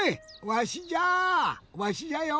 わしじゃよ。